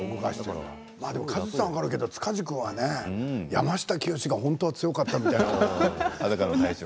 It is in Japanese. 勝地さんは分かるけど塚地君はね山下清が本当は強かったっていうね。